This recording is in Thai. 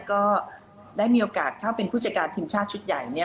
ก็ได้มีโอกาสเข้าเป็นผู้จัดการทีมชาติชุดใหญ่